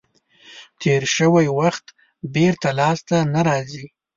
تیر شوی وخت بېرته لاس ته نه راځي.